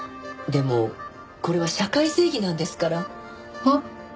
でもこれは社会正義なんですから。